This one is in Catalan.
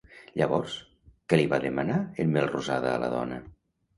Llavors, què li va demanar en Melrosada a la dona?